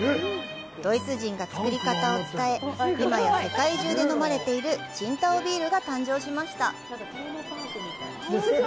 ドイツ人が造り方を伝え、今や世界中で飲まれている「青島ビール」が誕生しました。